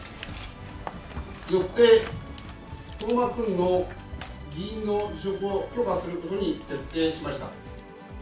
よって、東間君の議員の辞職を許可することに決定しました。